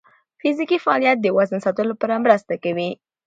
فزیکي فعالیت د وزن ساتلو کې مرسته کوي.